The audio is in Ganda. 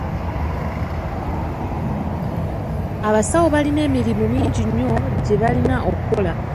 Abasawo balina emirimu mingi nnyo gye balina okukola.